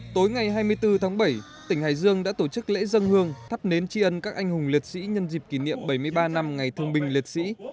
tối ngày hai mươi bốn tháng bảy tỉnh hải dương đã tổ chức lễ dân hương thắp nến tri ân các anh hùng liệt sĩ nhân dịp kỷ niệm bảy mươi ba năm ngày thương binh liệt sĩ